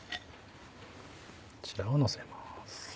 こちらをのせます。